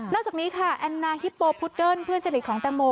นอกจากนี้อันน่าฮิปโปพุดเดิ้ลเพื่อนเจริญของตังโม